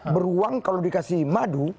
beruang kalau dikasih madu